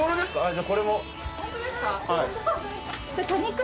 じゃあこれも。